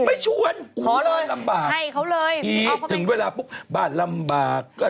โดดเมนไม่ต้องดึงไปทางธรรมะหรอกจ๊ะ